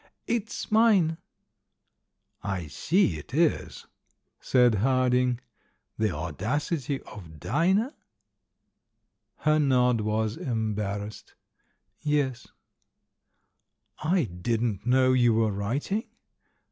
"It's mine." "I see it is," said Harding. " 'The Audacity of Dinah'?" Her nod was embarrassed. "Yes." "I didn't know you were writing."